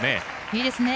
いいですね。